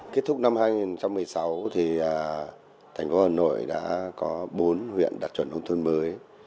kết thúc năm hai nghìn một mươi sáu thành phố hà nội đã có bốn huyện đạt chuẩn nông thôn mới